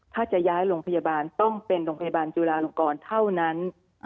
ถ้าจะย้ายโรงพยาบาลต้องเป็นโรงพยาบาลจุฬาลงกรเท่านั้น